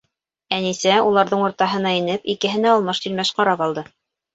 Әнисә, уларҙың уртаһына инеп, икеһенә алмаш-тилмәш ҡарап алды: